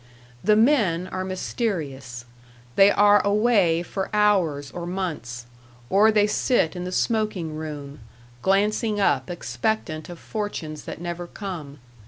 The men are mysterious. They are away for hours or months, or they sit in the smoking room, glancing up expectant of fortunes that never come.